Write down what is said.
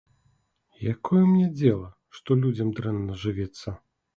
Якое мне дзела, што людзям дрэнна жывецца!